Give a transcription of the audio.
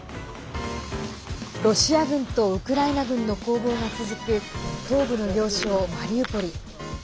ロシア軍とウクライナ軍の攻防が続く東部の要衝マリウポリ。